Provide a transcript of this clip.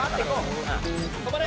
止まれ！